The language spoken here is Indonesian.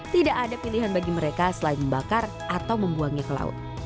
tidak ada pilihan bagi mereka selain membakar atau membuangnya ke laut